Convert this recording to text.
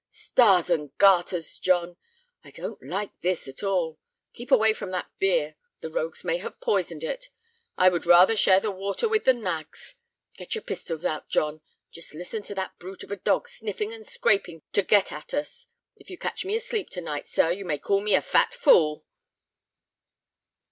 "Stars and garters, John! I don't like this at all. Keep away from that beer—the rogues may have poisoned it; I would rather share the water with the nags. Get your pistols out, John. Just listen to that brute of a dog sniffing and scraping to get at us. If you catch me asleep to night, sir, you may call me a fat fool!"